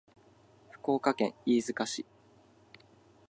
福岡県飯塚市